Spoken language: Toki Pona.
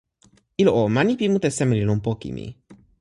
ilo o, mani pi mute seme li lon poki mi?